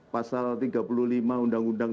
pasal tiga puluh lima undang undang